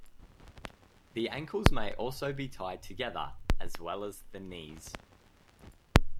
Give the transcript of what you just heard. The ankles may also be tied together, as well as the knees.